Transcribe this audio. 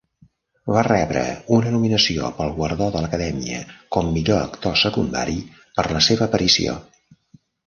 Va rebre una nominació pel guardó de l'Acadèmia com millor actor secundari per la seva aparició.